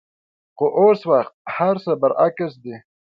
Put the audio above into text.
خو اوس وخت هرڅه برعکس دي.